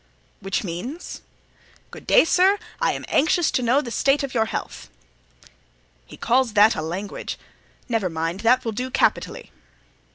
"Which means?" "Good day, sir! I am anxious to know the state of your health." "He calls that a language! But never mind, that will do capitally."